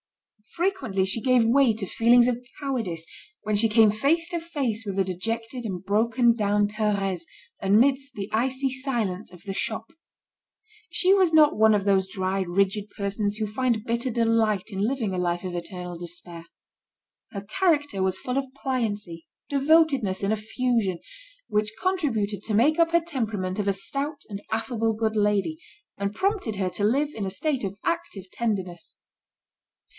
Frequently, she gave way to feelings of cowardice when she came face to face with the dejected and broken down Thérèse, amidst the icy silence of the shop. She was not one of those dry, rigid persons who find bitter delight in living a life of eternal despair. Her character was full of pliancy, devotedness, and effusion, which contributed to make up her temperament of a stout and affable good lady, and prompted her to live in a state of active tenderness.